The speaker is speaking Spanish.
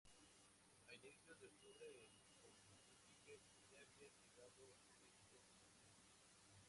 A inicios de octubre el pontífice ya había entregado el texto a mons.